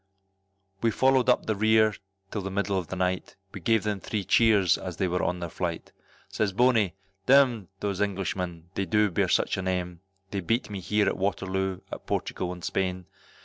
We followed up the rear till the middle of the night, We gave them three cheers as they were on their flight, Says Bony, d m those Englishmen, they do bear such a name, They beat me here at Waterloo, at Portugal and Spain.